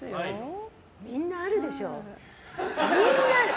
みんなあるでしょ。